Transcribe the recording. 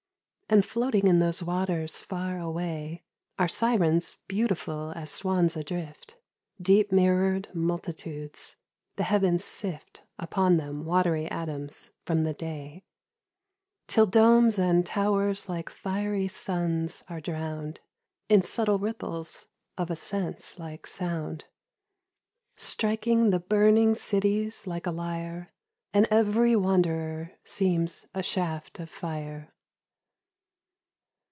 And floating in those waters far away Are syrens beautiful as swans a drift — Deep mirrored multitudes ; the heavens sift Upon them watery atoms from the Day, Till domes and towers like fiery suns are drowned In subtle ripples of a sense like sound — Striking the burning cities like a lyre, And every wanderer seems a shaft of fire.